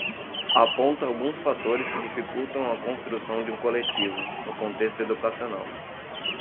aponta alguns fatores que dificultam a construção de um coletivo, no contexto educacional